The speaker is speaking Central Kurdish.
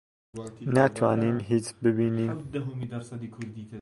ناتوانین هیچ ببینین.